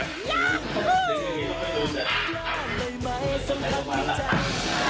จับได้จับได้จับได้